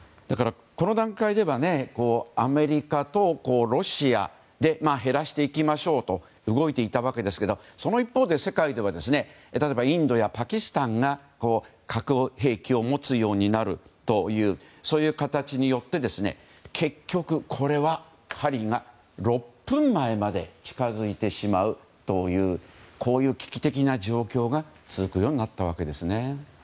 この段階ではアメリカとロシアで減らしていきましょうと動いていたわけですがその一方、世界では例えばインドやパキスタンが核兵器を持つようになるというそういう形によって結局、針が６分前まで近づいてしまうこういう危機的な状況が続くようになったわけですね。